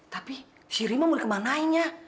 tapi sirima mau ke mana inya